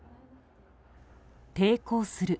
抵抗する。